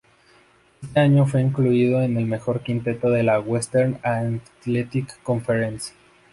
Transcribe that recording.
Ese año fue incluido en el mejor quinteto de la Western Athletic Conference.